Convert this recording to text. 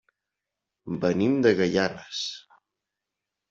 Venim de Gaianes.